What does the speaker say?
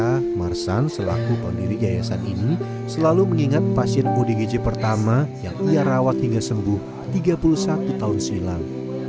karena marsan selaku pendiri yayasan ini selalu mengingat pasien odgj pertama yang ia rawat hingga sembuh tiga puluh satu tahun silam